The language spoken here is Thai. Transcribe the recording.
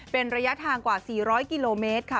เป็นระยะทางกว่า๔๐๐กิโลเมตรค่ะ